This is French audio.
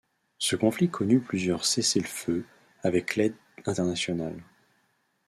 Ce conflit connut plusieurs cessez-le-feu avec l'aide internationale.